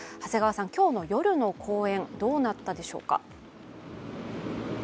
今日の夜の公演、どうなったでしょうか？